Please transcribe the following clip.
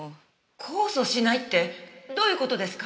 控訴しないってどういう事ですか？